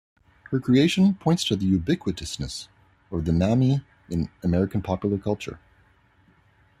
Her creation points to the ubiquitousness of the mammy in American popular culture.